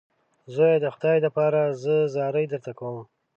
زویه د خدای دپاره زه زارۍ درته کوم.